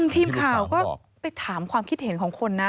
ทีมข่าวก็ไปถามความคิดเห็นของคนนะ